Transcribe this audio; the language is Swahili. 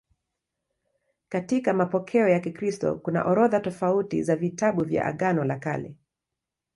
Katika mapokeo ya Kikristo kuna orodha tofauti za vitabu vya Agano la Kale.